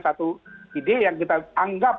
satu ide yang kita anggap